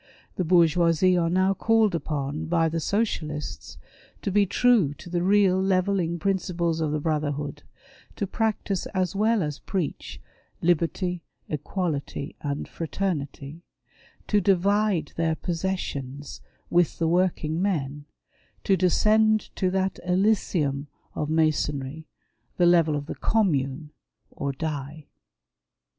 The Bourgeoisie are now called upon by the Socialists to be true to the real levelling principles of the brotherhood — to practise as well as preach "liberty, equality, and fraternity"; to divide their possessions with the working men — to descend to that elysium of Masonry, the level of the Commune — or die.